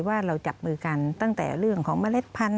ว่าเราจับมือกันตั้งแต่เรื่องของเมล็ดพันธ